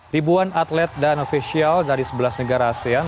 ribuan atlet dan ofisial dari sebelas negara asean